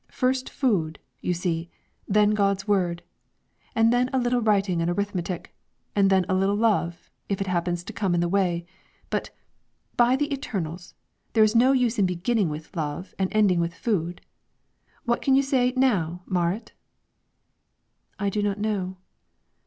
First food, you see, then God's Word, and then a little writing and arithmetic, and then a little love, if it happens to come in the way; but, by the Eternals! there is no use in beginning with love and ending with food. What can you say, now, Marit?" "I do not know."